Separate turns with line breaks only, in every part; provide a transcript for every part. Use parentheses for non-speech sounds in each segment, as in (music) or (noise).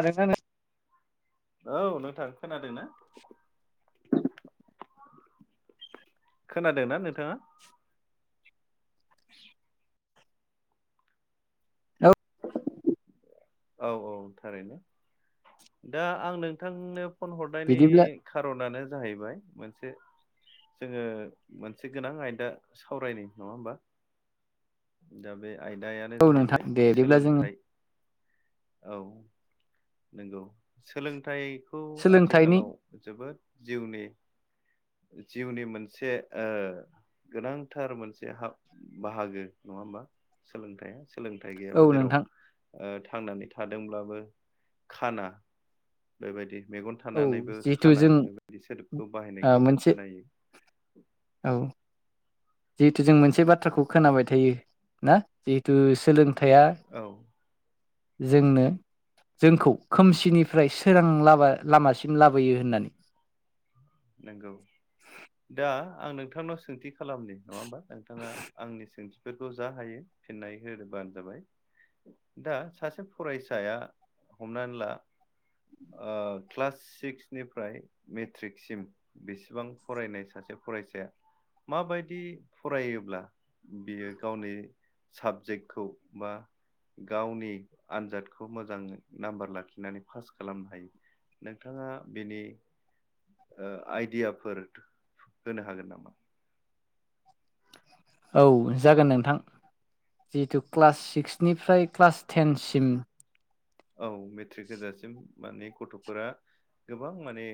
आरो साननैस
औ नोंथां खोनादों ना? खोनादो ना नोंथाङा?
नों औ
औ औ थारैनो। दा आं नोंथांनो फन हरनायनि
बिदिब्ला
खारनानो जाहैबाय मोन से जोङो मोनसे गोनां आयदा सावरायनि नङा होमबा। दा बे आयदायानो
औ नोंथां
जाहैबाय
दे बिदिब्ला जोङो
सोलोंथाइ। औ नोंगौ। सोलोंथाइ खौ
सोलोंथाइनि
आथिखालाव जोबोद जिउनि जिउनि मोनसे ओ गोनांथार मोनसे हा बाहागो नङा होमबा सोलोंथाइया। सोलोंथाइ
औ
गैयाबा जेराव
नोंथां
ओ थांनानै थादोंब्लाबो खाना। बेबायदि मेगन
औ
थानानैबो
जिहेथु
खाना
जों
बेबायदि सोदोबखौ
ओ
बाहायनायखौ जों
मोनसे
खोनायो।
औ जिहेथु जों मोनसे बाथ्राखौ खोनाबाय थायो ना? जिहेथु सोलों थाया
औ
जोंनो जोंखौ खोमसिनिफ्राय सोरां लाबा लामासिम लाबोयो होननानै।
नंगौ, दा आं नोंथांनाव सोंथि खालामनि नङा होमबा? नोंथाङा आंनि सोंथिफोरखौ जा हायो फिननाय होबानो जाबाय। दा सासे फरायसाया हमनानै ला ओ क्लास सिक्सनिफ्राय मेट्रिक सिम बेसेबां फरायनाय सासे फरायसाया? माबायदि फरायोब्ला बियो गावनि साबजेक्टखौ बा गावनि आनजादखौ मोजां नाम्बार लाखिनानै पास खालामनो हायो? नोंथाङा बेनि ओ आइडियाफोर होनो हागोन नामा?
औ जागोन नोंथां। जिहेतु क्लास सिक्सनिफ्राय क्लास टेन सिम
औ मेट्रिक होजासिम। माने गथ'फोरा गोबां माने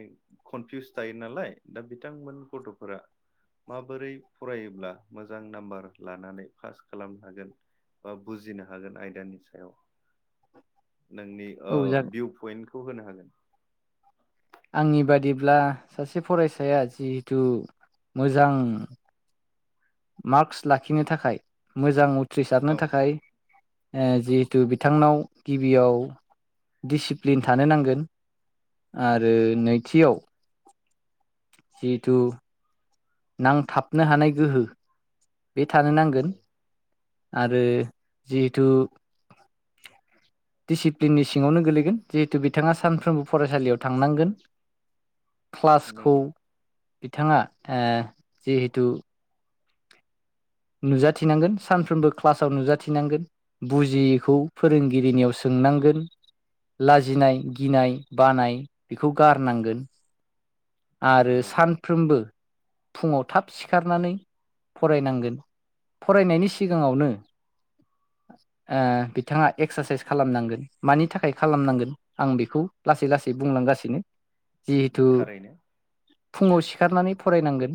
कनफिउस थायो नालाय दा बिथांमोन गथ'फो रा माबोरै फरायोब्ला मोजां नाम्बार लानानै पास खालामनो हागोन? बा बुजिनो हागोन आयदानि सायाव।
(inaudible)
नोंनि ओ
औ जागोन
भिउ पइन्टखौ होनो हागोन।
आंनि बादिब्ला सासे फरायसाया जिहेथु मोजां मार्क्स लाखिनो थाखाय मोजां
औ
उथ्रिसारनो थाखाय ओ जिहेथु बिथांनाव गिबियाव डिसिप्लिन थानो नांगोन। आरो
नंगौ
नैथियाव - जिहेथु नांथाबनो हानाय गोहो बे थानो नांगोन
नंगौ
आरो जिहेथु
(inaudible)
डिसिप्लिननि सिङावनो गोलैगोन जिहेथु बिथाङा सानफ्रोमबो फरायसालियाव थांनांगोन। क्लासखौ
नंगौ
बिथाङा ओ जिहेथु नुजाथिनांगोन सानफ्रोमबो क्लासाव नुजाथिनांगोन बुजियैखौ फोरोंगिरिनियाव सों नांगोन लाजिनाय गिनाय बानाय बेखौ गारनांगोन। आरो
नंगौ
सानफ्रोमबो फुङाव थाब सिखारनानै फरायनांगोन। फरायनायनि सिगाङावनो ओ बिथाङा एक्सारसाइस खालामनांगोन मानि थाखाय खालामनांगोन आं बेखौ लासै लासै बुं गासिनो जिहेथु
थारैनो
फुङाव सिखारनानै फरायनांगोन,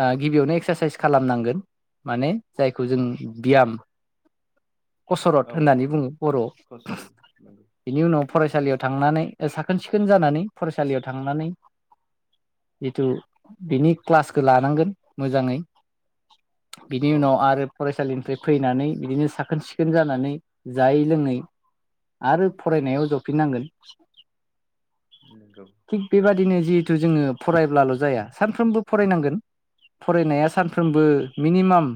ओ गिबियावनो एक्सारसाइस खालामनांगोन। माने जायखौ जों ब्याम कसरत
औ
होननानै बुङो बर'आव,
कसरत नंगौ
बिनि उनाव फरायसालियाव थांनानै साखोन सिखोन जानानै फरायसालियाव थांनानै जिथु बिनि क्लासखो लानांगोन मोजाङै बिनि
औ
उनाव आरो फरायसालिनिफ्राय फैनानै बिदिनो साख साखोन-सिखोन जानानै जायै लोङै आरो फरायनायाव जफिननांगोन।
नंगौ
थिग बेबादिनो जिहेथु जोङो फरायब्लाल' जाया सानफ्रोमबो फरायनांगोन। फरायनाया सानफ्रोमबो मिनिमाम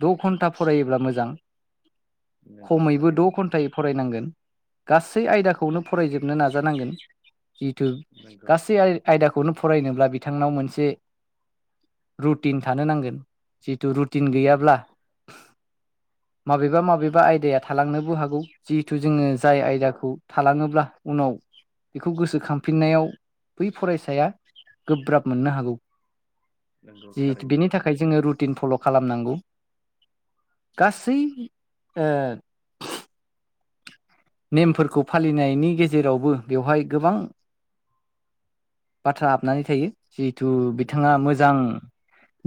द' घन्टा फरायोब्ला मोजां।
नंगौ
खमैबो
थारैनो
द' घन्टायै फरायनांगोन। गासै आयदाखौनो फरायजोबनो नाजानांगोन। जिहेथु
नंगौ
गासै आयदाखौ खौनो फरायनोब्ला बिथांनाव मोनसे रुटिन थानो नांगोन। थु रुटिन
नंगौ
गैयाब्ला माबेबा माबेबा आयदाया थालांनोबो हागौ जिहेथु जोङो जाय आयदाखौ थाङोब्ला उनाव नाव बेखौ गोसोखांफिननायाव बै फरायसाया गोब्राब मोननो हागौ।
नंगौ
जि
थारैनो
बेनि थाखाय जोङो रुटिन फल' खालामनांगौ। गासै ओ नेमफोरखौ फालिनायनि गेजेरावबो बेवहाय गोबां बाथ्रा हाबनानै थायो जिहेथु बिथाङा
नंगौ
मोजां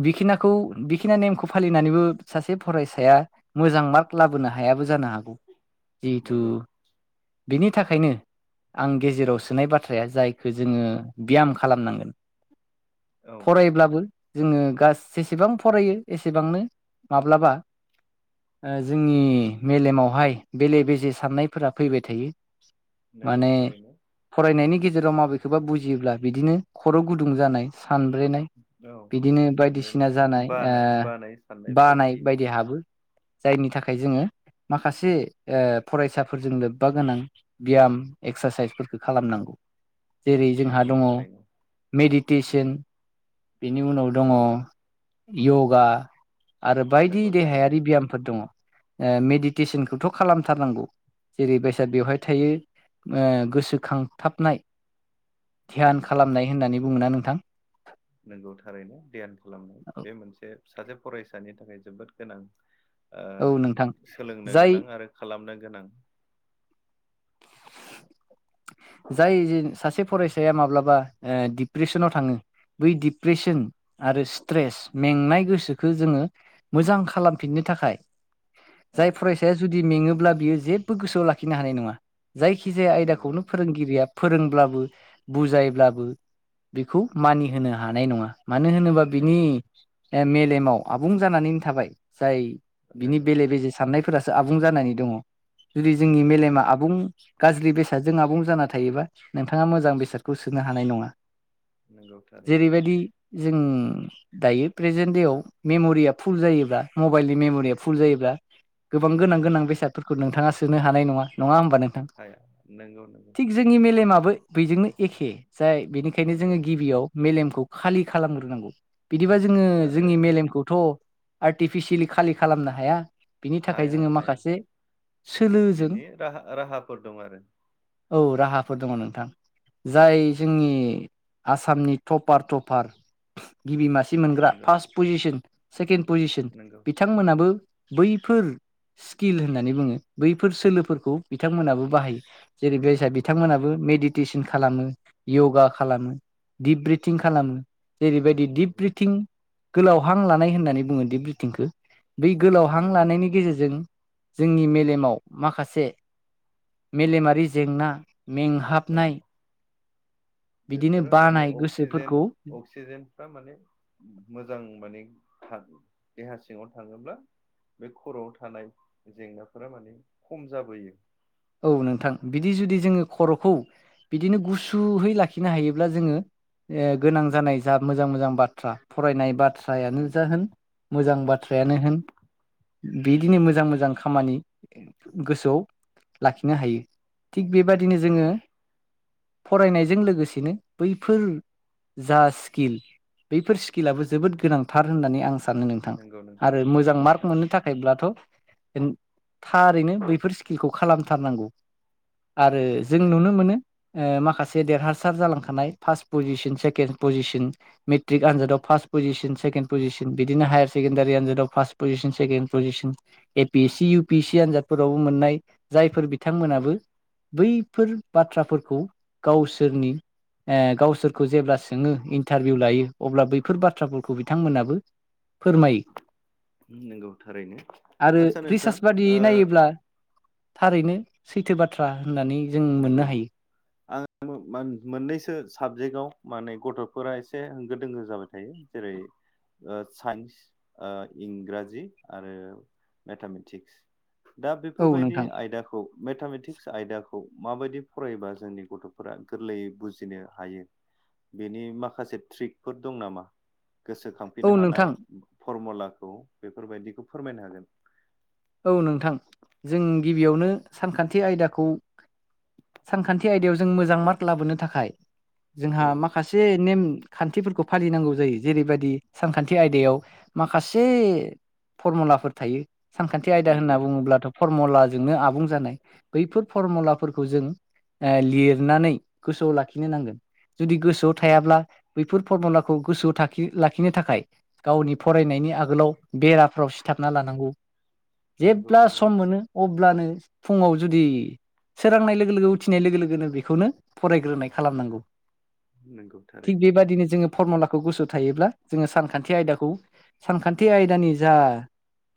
बिखिनाखौ बिखिना नेमखौ फालिनानैबो सासे फरायसाया मोजां मार्क लाबोनो हायाबो जानो हागौ। जिहेथु
नंगौ
बिनि थाखायनो आं गेजेराव सोनाय बाथ्राया जायखौ जोङो ब्याम खालामनांगोन।
औ
फरायब्लाबो जोङो गासै जेसेबां फरायो एसेबांनो माब्लाबा जोंनि मेलेमावहाय बेले बेजे साननायफोरा फैबाय थायो।
नंगौ
माने
थारैनो
फरायनायनि गेजेर जेराव माबेखौबा बुजियोब्ला बिदिनो खर' गुदुं जानाय सानब्रेनाय
औ
बिदिनो
सानबायनो
बायदिसिना जानाय
बानाय बानाय साननायफ्रा
बानाय
फैयो
बायदि हाबो। जायनि थाखाय जोङो माखासे ओ फरायसाफोरजों लोब्बा गोनां बियाम एक्सारसाइसफोरखौ खालामनांगौ। जेरै जोंहा
नंगौ
दङ
थारैनो
मेडिटेसन। बेनि उनाव दङ
नंगौ
यगा आरो बायदि
नंगौ थारैनो
देहायारि दङ ब्यामफोर ओ मेडिटेसनखौथ' खालामथारनांगौ जेरै बेसा बेवहाय थायो ओ गोसोखांथाबनाय ध्यान
नंगौ
खालामनाय होननानै बुङो ना नोंथां?
नंगौ थारैनो ध्यान खालामनाय बे मोनसे सासे फरायसानि थाखाय जोबोर गोनां ओ
औ नोंथां
सोलोंनो
जाय
गोनां आरो खालामनो गोनां। (inaudible)
जाय जे सासे फरायसाया माब्लाबा ओ डिप्रेसनाव थाङो। बै डिप्रेसन आरो स्ट्रेस मेंनाय गोसोखो जोङो मोजां खालामफिननो थाखाय जाय
औ
फरायसाया जुदि मेङोब्ला बियो जेबो गोसोआव लाखिनो हानाय नङा। जायखिजाया
नंगौ
आयदाखौनो फोरोंगिरिया फोरोंब्लाबो बुजायब्लाबो बेखौ मानिहोनो हानाय नङा। मानो होनोबा
औ
बिनि मेलेमाव आबुं जानानैनो थाबाय जाय बिनि
नंगौ
बेले बेजे साननायफोरासो आबुं जानानै दङ जुदि जोंनि
नंगौ
मेलेमा आबुं गाज्रि बेसाद जों आबुं जाना थायोबा नोंथाङा मोजां बेसादखौ सोनो हानाय नङा।
नंगौ थारैनो
जेरैबायदि जों दायो प्रेजेन्ट देआव मेम'रिया फुल जायोब्ला मबाइलनि मेम'रिया फुल जायोब्ला गोबां गोनां -
नंगौ
गोनां बेसादफोरखौ नोंथाङा सोनो हानाय नङा। नङा होमबा नों?
हाया नंगौ नंगौ
थिग जोंनि मेलेमाबो बेजोंनो एखे। जाय बेनिखायनो
नंगौ
जोङो गिबियाव मेलेमखौ खालि खालामग्रोनांगौ। बिदिबा जोङो
आरो
जोंनि मेलेमखौथ' आर्टिफिसियेलि खालि खालामनो हाया। बिनि थाखाय
हाया
जोङो
हाया
माखासे सोलोजों
बेनि राहा राहाफोर दं आरो
औ राहाफोर दङ नोंथां। जाय जोंनि आसामनि टपार टफार गिबि मास सि मोनग्रा
नंगौ
फार्स्ट पजिसन सेकेण्ड पजिसन
नंगौ
बिथांमोनाबो बैफोर स्किल होननानै बुङो बैफोर सोलोफोरखौ बिथांमोनाबो बाहायो। जेरै बेसा
नंगौ
बिथांमोनाबो मेडिट टेसन खालामो, यगा खालामो, दिप ब्रिथिं खालामो। जेरैबायदि दिप
नंगौ
ब्रिथिं गोलाव हां लानाय होननानै बुङो दिप ब्रिथिंखो। बै गोलाव हां
नंगौ
लानायनि गेजेरजों जोंनि मेलेमाव माखासे मेलेमारि जेंना
औ
मेंहाबनाय बिदिनो
बेफोरो माने
बानाय
अक्सिजेन
गोसोफोरखौ
- अक्सिजेनफ्रा माने मोजां माने थाग देहा सिङाव थाङोब्ला बे खर'आव थानाय जेंनाफोरा माने खम जाबोयो।
औ नोंथां बिदि जुदि जोङो खर'खौ बिदिनो गुसुयै लाखिनो हायोब्ला जोङो ए गोनां जानाय जा मोजां - मोजां बाथ्रा फरायनाय बा बाथ्रायानो
नंगौ
जा होन मोजां बाथ्रायानो होन बिदिनो
नंगौ
मोजां - मोजां खामानि गोसोआव लाखिनो हायो थिग
नंगौ
बेबादिनो जोङो
थारैनो
फरायनायजों लोगोसेनो बैफोर जा स्किल बैफोर स्किलाबो जोबोद गोनांथार होननानै आं सानो नोंथां
नंगौ नोंथां
आरो मोजां मार्क
नोंथां
मोननो थाखायब्लाथ' थारैनो बैफोर स्किलखौ खालामथारनांगौ। आरो
नंगौ
जों
थारैनो
नुनो मोनो। ओ माखासे देरहासार जालांखानाय first position second position matric आनजादाव फार्स्ट पजिसन सेकेण्ड पजिसन बिदिनो हायार सेकेण्डारि आनजादाव first position second position A P S C U P सि आनजादफोरावबो मोननाय जायफोर
नंगौ
बिथांमोनाबो बैफोर बाथ्राफोरखौ गावसोरनि ओ गावसोरखौ जेब्ला सोङो इन्टारभिउ लायो अब्ला बैफोर बाथ्राफोरखौ बिथांमोनाबो फोरमायो
नंगौ थारैनो
आरो
आदसा नोंथां
रिसार्च बादियै
ओ
नायोब्ला थारैनो सैथो बाथ्रा होननानै जों मोननो हायो।
मोन मान मोननैसो साबजेक्टआव माने गथ'फोरा एसे होंगो - दोंगो जाबाय थायो। जेरै, ओ साइन्स ओ इंराजि आरो मेथामेटिक्स। दा
औ
बेफोरबायदि
नोंथां
आयदाखौ मेथामेटिक्स आयदा खौ माबायदि फरायोबा जोंनि गथ'फोरा गोरलैयै बुजिनो हायो? बेनि माखासे ट्रिकफोर दं नामा? गोसोखांफिननो
औ
हानाय
नोंथां
फरमुलाखौ बेफोरबायदिखौ फोरमायनो हागोन।
औ नोंथां जों गिबियावनो सानखान्थि आयदाखौ सानखान्थि आयदायाव जों मोजां मार्क लाबोनो थाखाय जोंहा
औ
माखासे नेम खान्थिफोरखौ फालिनांगौ जायो जेरैबायदि सानखान्थि आयदायाव माखासे फरमुलाफोर थायो सानखान्थि आयदा होनना
नंगौ
बुङोब्लाथ' फरमुलाजोंनो आबुं जानाय बैफोर फरमुलाफोरखौ जों ओ लिरनानै गोसोआव लाखिनो नांगोन जुदि गोसोआव
नंगौ
थायाब्ला बै फोर फरमुलाखौ गोसोआव थाखि लाखिनो थाखाय गावनि फरायनायनि आगोलाव बेराफ्राव सिथाबना लानांगौ
नंगौ
जेब्ला
नंगौ
सम मोनो अब्लानो फुङाव जुदि सोरांनाय लोगो - लोगो उथिनाय लोगो लोगोनो बेखौनो फरायग्रोनाय खालामनांगौ।
नोंगौ थारैनो
फरम'लाखौ गसोङाव थायोब्ला जोङो सानखान्थि आयदाखौ सानखान्थि आयदानि जा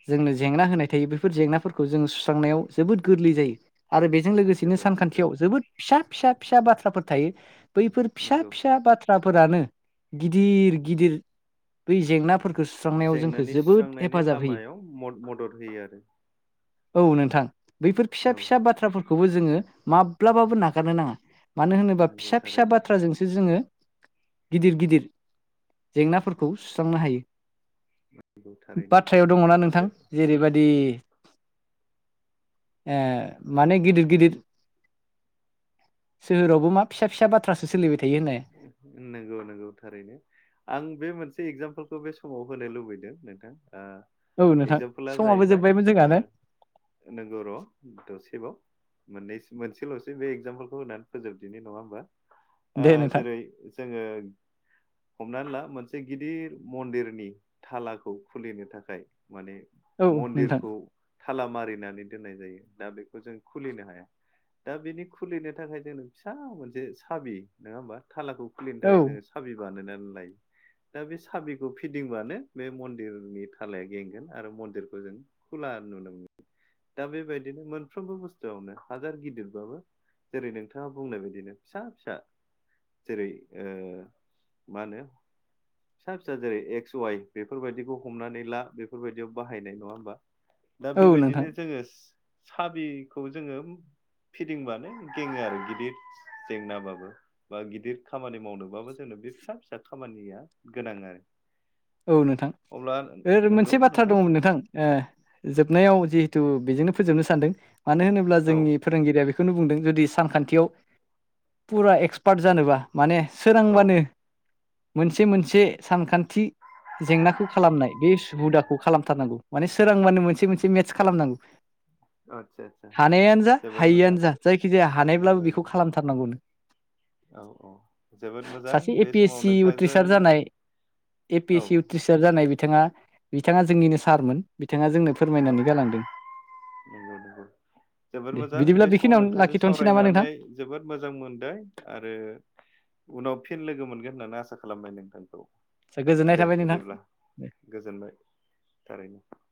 जोंनो जेंना होनाय थायो बेफोर जेंनाफोरखौ जों सुस्रांनायाव जोबोद गोरलै जायो आरो बेजों लोगोसेनो
जोबोद
सानखान्थियाव
मोजां
जोबोद फिसा फिसा फिसा बाथ्राफोर थायो बैफोर फिसा
नंगौ
फिसा बाथ्राफोरानो गिदिर गिदिर बै जेंनाफोर
जेंनानि सुस्रांनायनि लामायाव म' मदद होयो आरो
औ नोंथां बैफोर फिसा
औ
फिसा बाथ्राफोर खौबो जोङो माब्लाबाबो नागारनो नाङा मानो होनोबा
नंगौ
फिसा फिसा
थारैनो
बाथ्राजोंसो जोङो गिदिर गिदिर जेंनाफोरखौ सुस्रांनो हायो
नंगौ थारैनो
बाथ्रायाव दङना नोंथां जेरैबादि ओ माने गिदिर गिदिर सोहोरावबो मा फिसा फिसा बाथ
नोंगौ नोंगौ थारैनो आं बे मोनसे एक्जामपोल खौ बे समाव होनो लुबैदों नोंथां। ओ
औ नोंथां समाबो जोबबायमोन जोंहा ने?
नोंगौ र' दसेबाव। मोननैसो मोनसेल'सो बे एक्जामपोलखौ होनानै फोजोबदिनि नङा होमबा? ओ
दे नोंथां
जेरै जोङो हमनान ला मोनसे गिदिर मन्दिरनि थालाखौ खुलिनो थाखाय माने
औ नोंथां
मन्दिरखौ थालामारि नानै दोननाय जायो दा बेखौ जों खुलिनो हाया। दा बिनि खुलिनो थाखाय जोंनो फिसा मोनसे साबि नोङा होमबा थालाखौ खुलिनो
औ
थाखाय जोङो साबि बानायनानै लायो। दा बे साबिखौ फिदिंबानो बे मन्दिरनि थालाया गेंगोन आरो मन्दिरखौ जों खुला नुनो मोनो दा बेबायदिनो मोनफ्रोमबो बुस्थुआवनो हाजार गिदिरबाबो जेरै नोंथाङा बुंनाय बायदिनो फिसा फिसा जेरै ओ मा होनो फिसा फिसा जेरै एक्स वाइ बेफोरबायदिखौ हमनानै ला बेफोरबायदियाव बाहायनाय नङा होमबा? दा
औ नोंथां
बेबायदिनो जोङो साबिखौ जोङो फिदिंबानो गेङो आरो गिदिद जेंनाबाबो। बा गिदिद खामानि मावनोबाबो जोंनो बे फिसा फिसा खामानिया गोनां आरो।
औ नोंथां
अब्ला
ओ मोनसे बाथ्रा दङमोन नोंथां ओ जोबनायाव जिहेथु बेजोंनो फोजोबनो सानदों मानो होनोब्ला
औ
जोंनि फोरोंगिरिया बे खौनो बुंदों जुदि सानखान्थियाव फुरा एक्सपार्ट जानोबा माने
औ
सोरांबानो मोनसे मोनसे सानखान्थि जेंनाखौ खालामनाय बे (unintelligible) हुदाखौ खालामथारनांगौ माने सोरांबानो मोनसे मोनसे मेटस खालामनांगौ।
आदसा आदसा
हानायानो जा
जोबोद मोजां
हायिआंनो जा जायखिजाया हानायब्लाबो
नंगौ
बेखौ
नंगौ
खालामथारनांगौनो।
औ औ जोबोद मोजां
सासे ए
बे
पि एस
समाव
सि
नोंथांजों
उथ्रिसार जानाय ए पि एस
औ
सि
औ
उथ्रिसार जानाय बिथाङा बिथाङा जोंनिनो सारमोन। बिथाङा जोंनो फोरमायनानै गालांदों।
नोंगौ नोंगौ। जोबोर
दे
मोजां
बिदिब्ला
बे समाव
बेखिनियावनो
नोंथांजों
लाखिथ'नोसै नामा
सावरायनानै
नोंथां
जोबोद मोजां मोनदों आरो उनाव फिन लोगो मोनगोन होननानै आसा खालामबाय नोंथांखौ।
गोजोननाय
दे
थाबाय नोंथां
बिदिब्ला गोजोनबाय थारैनो।